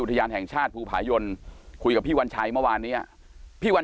ทยานแห่งชาติภูผายนคุยกับพี่วันชัยเมื่อวานเนี้ยพี่วัน